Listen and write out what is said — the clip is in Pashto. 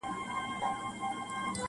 د انسان په وينه گډ دي فسادونه -